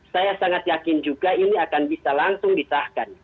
saya sangat yakin juga ini akan bisa langsung disahkan